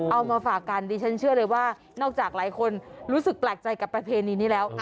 เอามาฝากกันดิฉันเชื่อเลยว่านอกจากหลายคนรู้สึกแปลกใจกับประเพณีนี้แล้ว